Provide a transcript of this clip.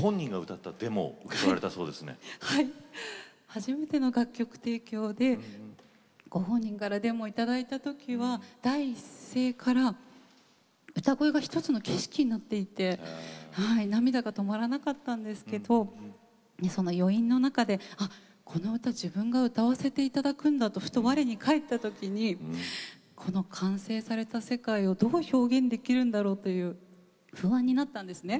初めての楽曲提供でご本人からデモを頂いた時は第一声から歌声が一つの景色になっていて涙が止まらなかったんですけどその余韻の中でこの歌自分が歌わせて頂くんだとふと我に返った時にこの完成された世界をどう表現できるんだろうという不安になったんですね。